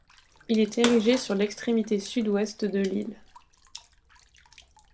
Il est érigé sur l'extrémité sud-ouest de l'île.